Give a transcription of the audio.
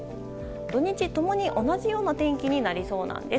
土日共に同じような天気になりそうです。